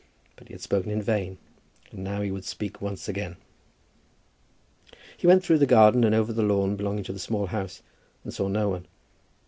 But he had spoken in vain, and now he would speak once again. He went through the garden and over the lawn belonging to the Small House and saw no one.